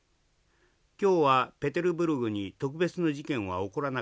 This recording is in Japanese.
今日はペテルブルクに特別な事件は起こらなかった。